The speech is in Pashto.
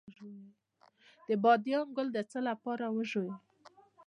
د بادیان ګل د څه لپاره وژويئ؟